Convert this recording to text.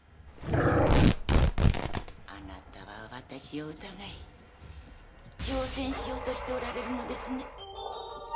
あなたは私を疑い挑戦しようとしておられるのですね。